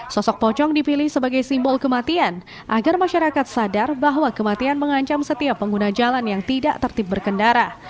sosok pocong dipilih sebagai simbol kematian agar masyarakat sadar bahwa kematian mengancam setiap pengguna jalan yang tidak tertib berkendara